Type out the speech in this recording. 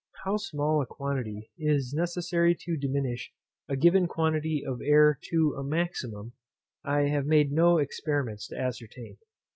How small a quantity is necessary to diminish a given quantity of air to a maximum, I have made no experiments to ascertain.